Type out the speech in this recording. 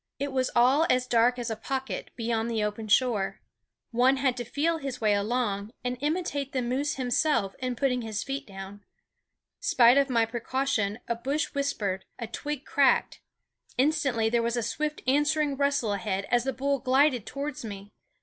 It was all as dark as a pocket beyond the open shore. One had to feel his way along, and imitate the moose himself in putting his feet down. Spite of my precaution a bush whispered; a twig cracked. Instantly there was a swift answering rustle ahead as the bull glided towards me.